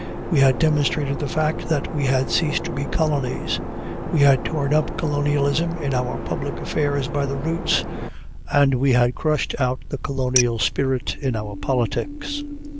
We had demonstrated the fact that we had ceased to be colonies. We had torn up colonialism in our public affairs by the roots, and we had crushed out the colonial spirit in our politics.